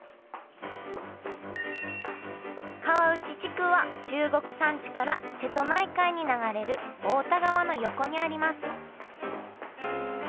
川内地区は中国山地から瀬戸内海に流れる太田川の横にあります。